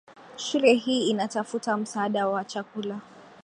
Shule hii inatafuta msaada wa chakula.